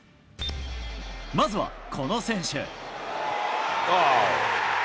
まずはこの選手。